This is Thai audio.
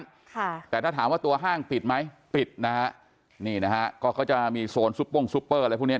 ค่ะแต่ถ้าถามว่าตัวห้างปิดไหมปิดนะฮะนี่นะฮะก็เขาจะมีโซนซุปโป้งซุปเปอร์อะไรพวกเนี้ย